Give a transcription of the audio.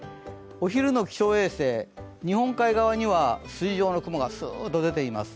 お昼の気象衛星、日本海側には筋状の雲がすーっと出ています。